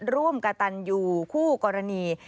ร่วมกับตันยูคู่กรณี